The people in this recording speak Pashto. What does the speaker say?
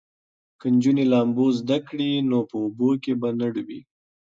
که نجونې لامبو زده کړي نو په اوبو کې به نه ډوبیږي.